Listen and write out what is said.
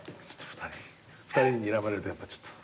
２人ににらまれるとやっぱちょっと。